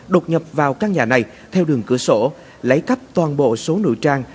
đột nhập vào căn nhà này theo đường cửa sổ lấy cắp toàn bộ số nội trang